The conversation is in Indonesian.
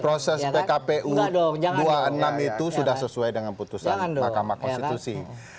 proses pkpu dua puluh enam itu sudah sesuai dengan putusan mahkamah konstitusi